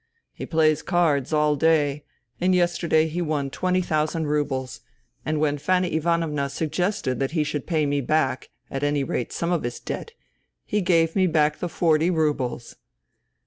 He plays cards all day, and yesterday he won twenty thousand roubles ; and when Fanny Ivanovna suggested that he should pay me back, at any rate some of his debt, he gave me back the forty roubles